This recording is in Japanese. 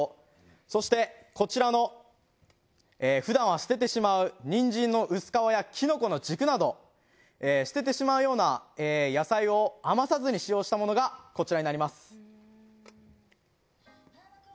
そしてこちらのふだんは捨ててしまうニンジンの薄皮やキノコの軸など捨ててしまうような野菜を余さずに使用したものがこちらになります。